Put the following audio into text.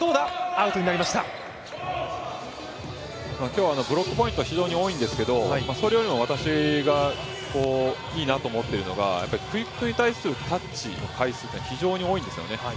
今日はブロックポイント非常に多いんですけどそれよりも私がいいなと思っているのがクイックに対するタッチの回数が非常に多いんですよね。